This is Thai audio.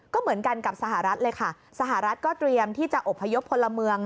ก็เหมือนกันกับสหรัฐเลยค่ะสหรัฐก็เตรียมที่จะอบพยพพลเมือง